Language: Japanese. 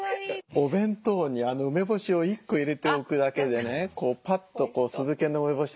お弁当に梅干し１個入れておくだけでねこうパッと酢漬けの梅干しでしょう。